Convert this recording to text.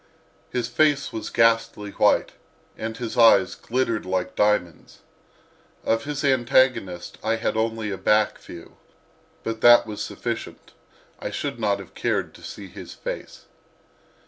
His face was ghastly white, and his eyes glittered like diamonds. Of his antagonist I had only a back view, but that was sufficient; I should not have cared to see his face.